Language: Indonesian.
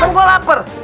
kenapa gue lapar